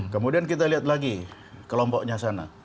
kemudian kita lihat lagi kelompoknya sana